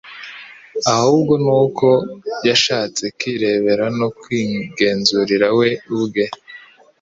Ahubwo ni uko yashatse kwirebera no kwigenzurira we ubwe,